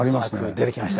出てきました。